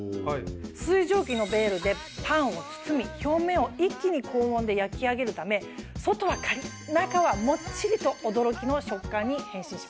水蒸気のベールでパンを包み表面を一気に高温で焼き上げるため外はカリっ中はもっちりと驚きの食感に変身します。